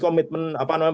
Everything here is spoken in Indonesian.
komitmen apa namanya